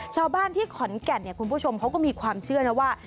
ชาวบ้านที่ขอนแก่นเนี่ยคุณผู้ชมเขาก็มีความเชื่อนะว่า